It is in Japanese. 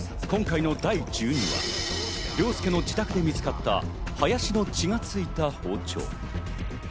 今回の第１２話、凌介の自宅で見つかった林の血がついた包丁。